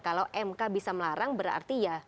kalau mk bisa melarang berarti ya